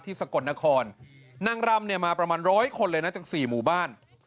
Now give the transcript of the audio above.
สกลนครนางรำเนี่ยมาประมาณร้อยคนเลยนะจากสี่หมู่บ้าน